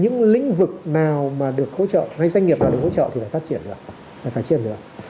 những lĩnh vực nào mà được hỗ trợ hay doanh nghiệp nào được hỗ trợ thì phải phát triển được phải phát triển được